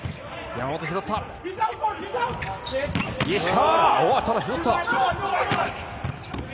石川！